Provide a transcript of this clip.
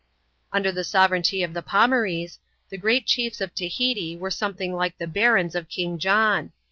Under the sovereignty of the Pomarees, the great chiefs of Tahiti were something like the barons of King John.